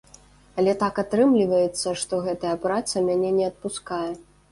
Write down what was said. Але так атрымліваецца, што гэтая праца мяне не адпускае.